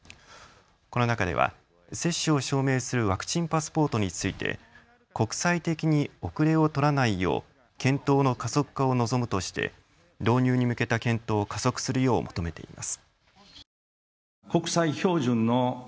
この中では接種を証明するワクチンパスポートについて国際的に後れを取らないよう検討の加速化を望むとして導入に向けた検討を加速するよう求めています。